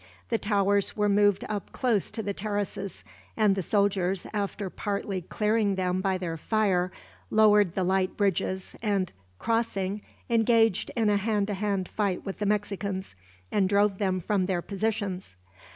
The towers were moved up close to the terraces, and the soldiers, after partly clearing them by their fire, lowered the light bridges and, crossing, engaged in a hand to hand fight with the Mexicans, and drove them from their positions.